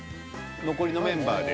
残りのメンバーで。